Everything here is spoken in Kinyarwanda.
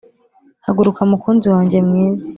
” Haguruka mukunzi wanjye mwiza